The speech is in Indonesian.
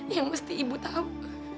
yang mesti ibu tahu